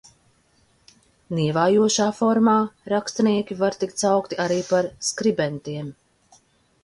Nievājošā formā rakstnieki var tikt saukti arī par skribentiem.